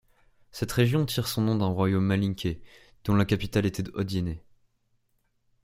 Cette région tire son nom d'un royaume malinké dont la capitale était Odienné.